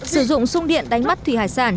sử dụng sung điện đánh bắt thủy hải sản